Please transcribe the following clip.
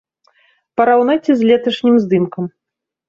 Параўнайце з леташнім здымкам.